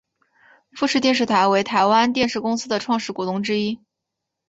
富士电视台为台湾电视公司的创始股东之一。